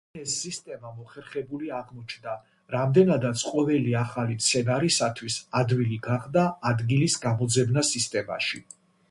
ლინეს სისტემა მოხერხებული აღმოჩნდა, რამდენადაც ყოველი ახალი მცენარისათვის ადვილი გახდა ადგილის გამოძებნა სისტემაში.